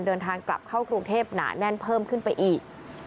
เดินทางกลับเข้ากรุงเทพหนาแน่นเพิ่มขึ้นไปอีก